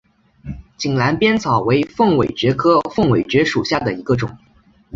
井栏边草为凤尾蕨科凤尾蕨属下的一个种。